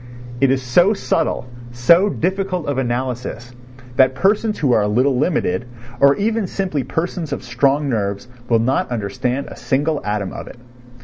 It is so subtle, so difficult of analysis, that persons who are a little limited, or even simply persons of strong nerves, will not understand a single atom of it.